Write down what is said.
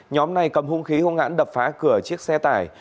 nhóm này cầm hung khí hung hãn đập phá cửa chiếc xe tải